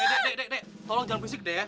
eh dek dek dek tolong jangan berisik deh ya